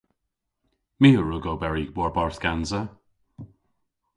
My a wrug oberi war-barth gansa.